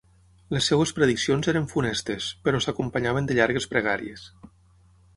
Les seves prediccions eren funestes, però s'acompanyaven de llargues pregàries.